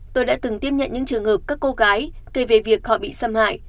tôi đã từng tiếp nhận những trường hợp các cô gái kể về việc họ bị xâm hại